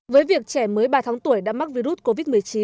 với việc trẻ mới ba tháng tuổi đã mắc virus covid một mươi chín